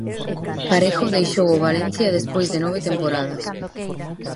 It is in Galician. Parejo deixou o Valencia despois de nove temporadas.